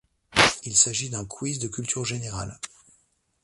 Il s'agit d'un quiz de culture générale.